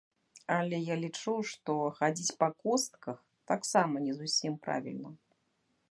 Але я лічу, што хадзіць па костках таксама не зусім правільна.